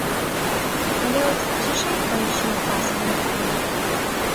Але от цішэй пайшло пасавае кола.